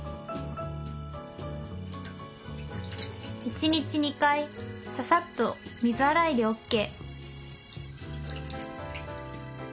一日２回ささっと水洗いでＯＫ